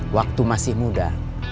waktu masih muda